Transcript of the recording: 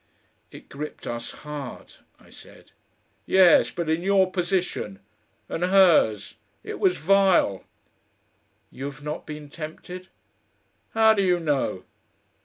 "It gripped us hard," I said. "Yes! but in your position! And hers! It was vile!" "You've not been tempted." "How do you know?